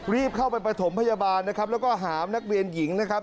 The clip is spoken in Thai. รีบเข้าไปประถมพยาบาลนะครับแล้วก็หามนักเรียนหญิงนะครับ